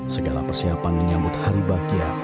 segala persiapan menyambut hari bahagia